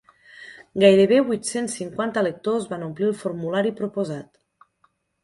Gairebé vuit-cents cinquanta lectors van omplir el formulari proposat.